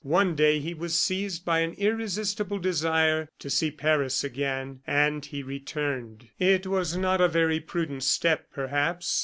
One day he was seized by an irresistible desire to see Paris again, and he returned. It was not a very prudent step, perhaps.